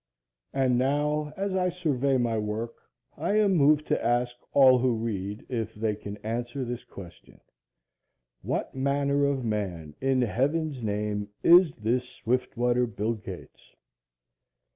And now, as I survey my work, I am moved to ask all who read, if they can answer this question: "What manner of man, in Heaven's name, is this Swiftwater Bill Gates?"